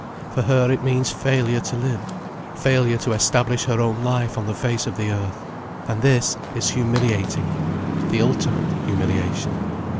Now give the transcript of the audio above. For her it means failure to live, failure to establish her own life on the face of the earth. And this is humiliating, the ultimate humiliation.